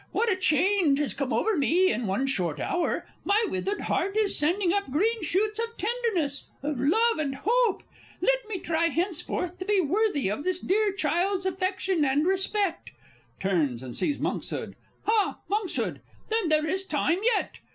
What a change has come over me in one short hour! my withered heart is sending up green shoots of tenderness, of love, and hope! Let me try henceforth to be worthy of this dear child's affection and respect. (Turns, and sees MONKSHOOD.) Ha, Monkshood! Then there is time yet!